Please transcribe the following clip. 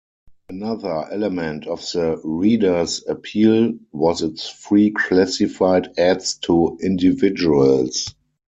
Another element of the "Reader"'s appeal was its free classified ads to individuals.